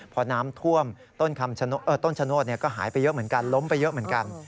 พอน้ำท่วมต้นชะโนธก็หายไปเยอะเหมือนกันล้มไปเยอะเหมือนกัน